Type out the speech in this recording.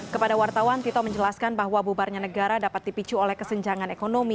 kepada wartawan tito menjelaskan bahwa bubarnya negara dapat dipicu oleh kesenjangan ekonomi